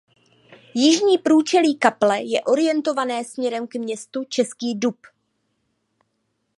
Jižní průčelí kaple je orientované směrem k městu Český Dub.